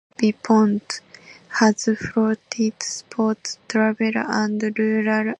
On television and radio Vipond has fronted sport, travel and rural affairs programmes.